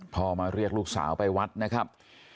มาเรียกลูกสาวไปวัดนะครับ